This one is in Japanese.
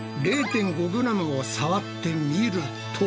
０．５ｇを触ってみると。